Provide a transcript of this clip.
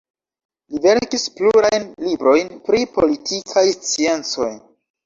Li verkis plurajn librojn pri politikaj sciencoj.